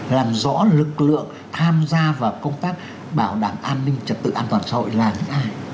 làm rõ lực lượng tham gia vào công tác bảo đảm an ninh trật tự an toàn xã hội là những ai